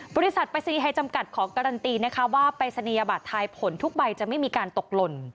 ปริศนีย์ไทยจำกัดขอการันตีนะคะว่าปรายศนียบัตรทายผลทุกใบจะไม่มีการตกหล่น